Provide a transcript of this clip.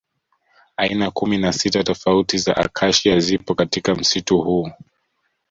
Aina kumi na sita tofauti ya Acacia zipo katika msitu huu